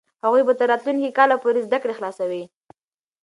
هغوی به تر راتلونکي کاله پورې زده کړې خلاصوي.